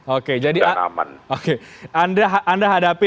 oke jadi anda hadapi